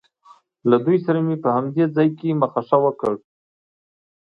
له دوی سره مې په همدې ځای کې مخه ښه وکړ.